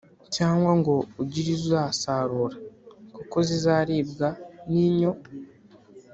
cyangwa ngo ugire izo usarura, kuko zizaribwa n’inyo.